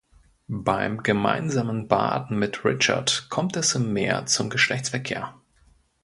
Beim gemeinsamen Baden mit Richard kommt es im Meer zum Geschlechtsverkehr.